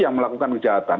yang melakukan kejahatan